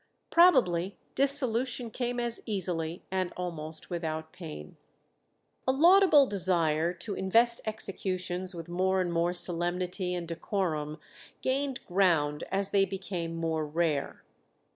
Probably dissolution came as easily and almost without pain. A laudable desire to invest executions with more and more solemnity and decorum gained ground as they became more rare.